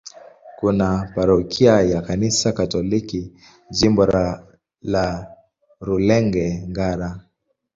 Kuna parokia ya Kanisa Katoliki, Jimbo la Rulenge-Ngara.